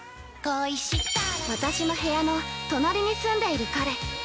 ◆私の部屋の隣に住んでいる彼。